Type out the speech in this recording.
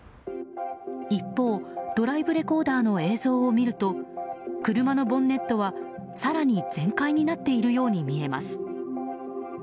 一方、ドライブレコーダーの映像を見ると車のボンネットは更に全開になっているように見えます。